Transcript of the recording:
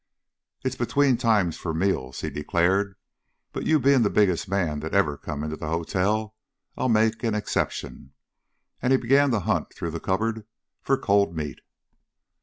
"It's between times for meals," he declared, "but you being the biggest man that ever come into the hotel, I'll make an exception." And he began to hunt through the cupboard for cold meat.